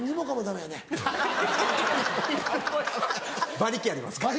馬力ありますから。